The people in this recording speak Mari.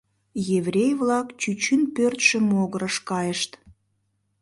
Еврей-влак чӱчӱн пӧртшӧ могырыш кайышт.